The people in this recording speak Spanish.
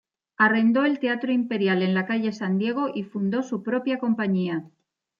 Arrendó el Teatro Imperial en la calle San Diego y fundó su propia compañía.